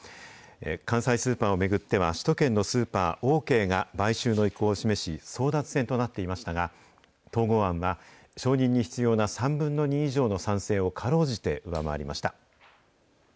関西スーパーを巡っては、首都圏のスーパー、オーケーが買収の意向を示し、争奪戦となっていましたが、統合案は承認に必要な３分の２以上の賛成をかろうじて上回りました。